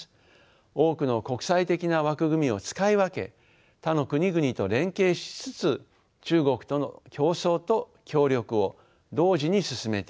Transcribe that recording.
多くの国際的な枠組みを使い分け他の国々と連携しつつ中国との競争と協力を同時に進めていく。